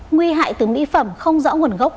nguy hại từ mỹ phẩm không rõ nguồn gốc